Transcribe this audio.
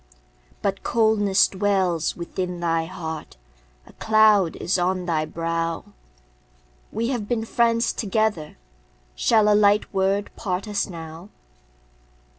But coldness dwells within thy heart, A cloud is on thy brow; We have been friends together, Shall a light word part us now?